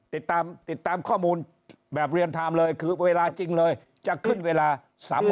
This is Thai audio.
ติดตามติดตามข้อมูลแบบเรียนไทม์เลยคือเวลาจริงเลยจะขึ้นเวลา๓วัน